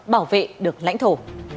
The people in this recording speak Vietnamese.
bảo vệ được lãnh thổ